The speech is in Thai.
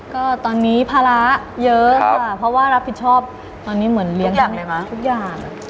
ก็ตอนนี้ภาระเยอะค่ะเพราะว่ารับผิดชอบตอนนี้เหมือนเลี้ยงทุกอย่าง